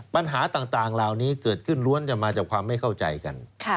ปัญหาต่างเหล่านี้เกิดขึ้นล้วนจะมาจากความไม่เข้าใจกัน